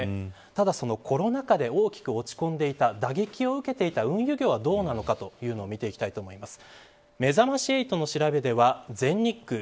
ただコロナ禍で大きく落ち込んでいた打撃を受けていた運輸業はどうなのか見ていきたいと思います。